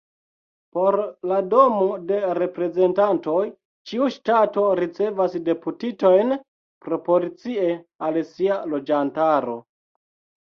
Por la Domo de Reprezentantoj, ĉiu ŝtato ricevas deputitojn proporcie al sia loĝantaro.